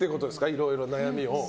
いろいろと悩みを。